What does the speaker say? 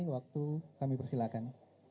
waktu kami persilakan